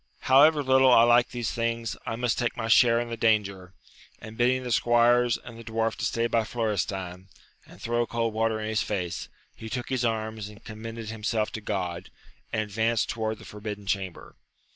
However little I like these things, I must take my share in the danger ! and bidding the squires and the dwarf to stay by Florestan, and throw cold water in his face, he took his arms and commended himself to God, and advanced towards the forbidden chamber.